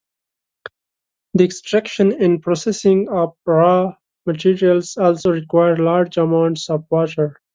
The extraction and processing of raw materials also require large amounts of water.